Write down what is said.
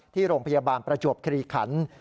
ที่โรงพยาบาลประจวบคลีขัน